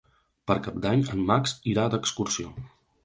Per Cap d'Any en Max irà d'excursió.